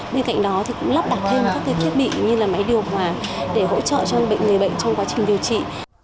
bên cạnh đó thì cũng lắp đặt thêm các thiết bị như là máy điều hòa để hỗ trợ cho người bệnh trong quá trình điều trị